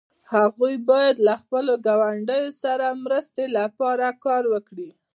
هغوی باید له خپلو ګاونډیو سره مرستې لپاره کار وکړي.